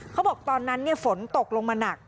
เขาบอกตอนนั้นฝนตกลงมาหนัก